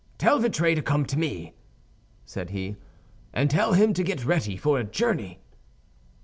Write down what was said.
"Tell Vitray to come to me," said he, "and tell him to get ready for a journey."